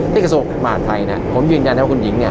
ที่กระโสกมาไทยนะครับผมยืนยันนะว่าคุณหญิงเนี่ย